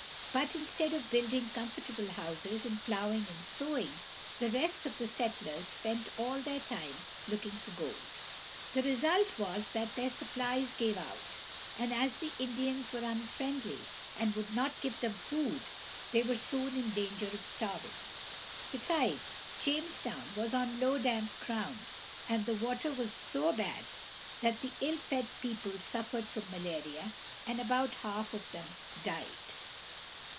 But, instead of building comfortable houses, and plowing and sowing, the rest of the settlers spent all their time looking for gold. The result was that their supplies gave out, and as the Indians were unfriendly and would not give them food, they were soon in danger of starving. Besides, Jamestown was on low, damp ground, and the water was so bad that the ill fed people suffered from malaria, and about half of them died.